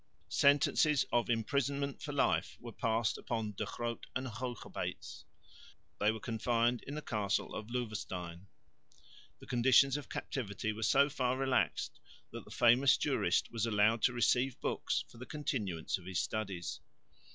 Sentences of imprisonment for life were passed upon De Groot and Hoogerbeets. They were confined in the castle of Loevestein. The conditions of captivity were so far relaxed that the famous jurist was allowed to receive books for the continuance of his studies.